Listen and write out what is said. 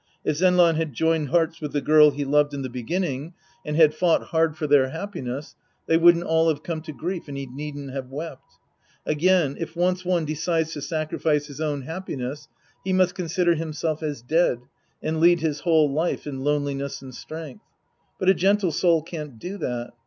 If Zenran had joined hearts with the girl he loved in the beginning and Sc. I The Priest and His Disciples i69 had fought hard for their happiness, they wouldn't all have come to grief, and he needn't have wept. Again, if once one decides to sacrifice his own happiness, he must consider himself as dead and lead his whole life in loneliness and strength. But a gentle soul can't do that.